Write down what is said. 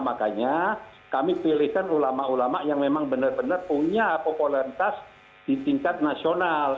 makanya kami pilihkan ulama ulama yang memang benar benar punya popularitas di tingkat nasional